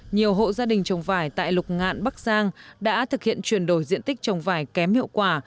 nhiều hộ gia đình trồng vải tại lục ngạn bắc giang đã thực hiện chuyển đổi diện tích trồng vải kém hiệu quả